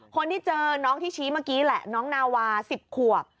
คนที่เจอน้องที่ชี้เมื่อกี้แหละน้องนาวา๑๐ขวบ